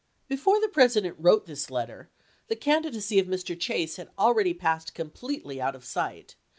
^ Before the President wrote this letter the candi dacy of Mr. Chase had already passed completely out of sight.